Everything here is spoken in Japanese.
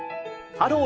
「ハロー！